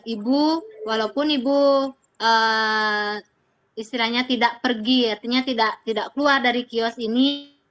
ibu walaupun ibu istilahnya tidak pergi artinya tidak keluar dari kios ini